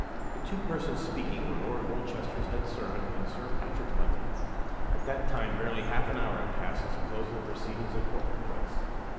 The two persons speaking were Lord Holchester's head servant and Sir Patrick Lundie. At that time barely half an hour had passed since the close of the proceedings at Portland Place.